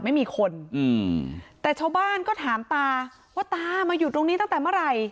ไม่มีคนอืมแต่ชาวบ้านก็ถามตาว่าตามาอยู่ตรงนี้ตั้งแต่เมื่อไหร่